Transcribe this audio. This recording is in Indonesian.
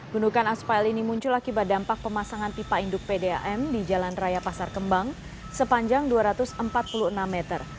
gundukan aspal ini muncul akibat dampak pemasangan pipa induk pdam di jalan raya pasar kembang sepanjang dua ratus empat puluh enam meter